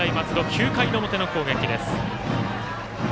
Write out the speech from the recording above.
９回の表の攻撃です。